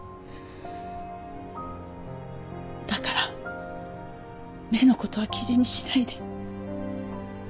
だから目のことは記事にしないで。